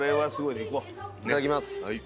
いただきます。